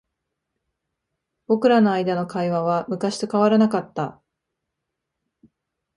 僕らの間の会話は昔と変わらなかった。